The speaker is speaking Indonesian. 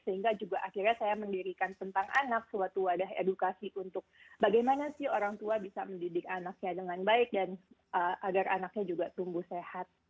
sehingga juga akhirnya saya mendirikan tentang anak suatu wadah edukasi untuk bagaimana sih orang tua bisa mendidik anaknya dengan baik dan agar anaknya juga tumbuh sehat